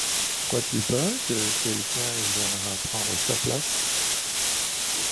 Crois-tu pas que quelqu’un viendra prendre sa place ?